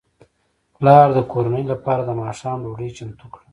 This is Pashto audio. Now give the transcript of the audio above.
پلار د کورنۍ لپاره د ماښام ډوډۍ چمتو کړه.